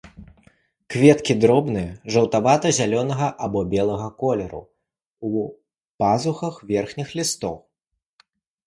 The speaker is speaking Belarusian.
Кветкі дробныя, жаўтавата-зялёнага або белага колеру, у пазухах верхніх лістоў.